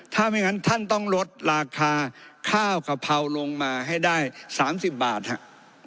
ถ้าไม่งั้นท่านต้องลดราคาข้าวกะเพราลงมาให้ได้๓๐บาทครับ